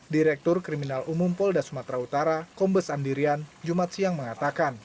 direktur kriminal umum polda sumatera utara kombes andirian jumat siang mengatakan